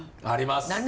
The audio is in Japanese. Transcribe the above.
あります。